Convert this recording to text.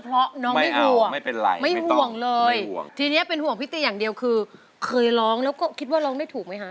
เล่นค่ะเล่นค่ะเล่นค่ะ